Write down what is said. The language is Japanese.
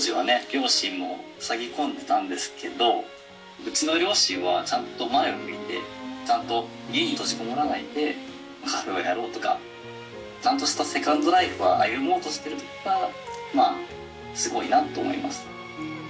両親も塞ぎ込んでたんですけどうちの両親はちゃんと前を向いて家に閉じこもらないでカフェをやろうとかちゃんとしたセカンドライフは歩もうとしているところはすごいなと思います。